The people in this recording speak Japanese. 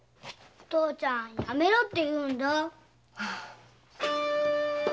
父ちゃんやめろって言うんだ。